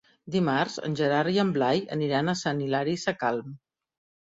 Dimarts en Gerard i en Blai aniran a Sant Hilari Sacalm.